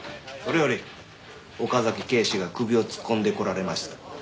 それより岡崎警視が首を突っ込んでこられました。